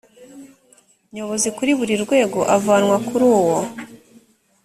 nyobozi kuri buri rwego avanwa kuri uwo